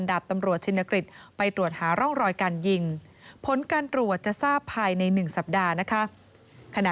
ดับตำรวจชินกฤทธิไปตรวจหารองรอยการยิงผลการตรวจจะทราบภายในหนึ่งสัปดาห์